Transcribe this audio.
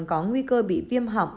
có nguy cơ bị viêm họng